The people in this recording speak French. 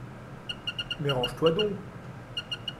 Mais range-toi donc !